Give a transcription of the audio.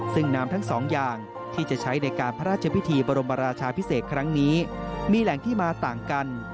ซึ่งน้ำทั้งสองอย่างที่จะใช้ในการพระราชพิธีบรมราชาพิเศษครั้งนี้มีแหล่งที่มาต่างกัน